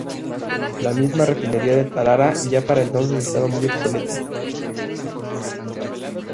La misma refinería de Talara ya para entonces estaba muy obsoleta.